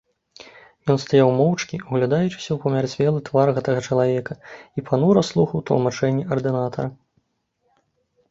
Ён стаяў моўчкі, углядаючыся ў памярцвелы твар гэтага чалавека, і панура слухаў тлумачэнні ардынатара.